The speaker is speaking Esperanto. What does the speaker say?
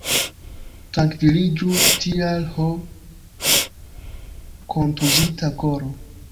Trankviliĝu, tial, ho, kontuzita koro!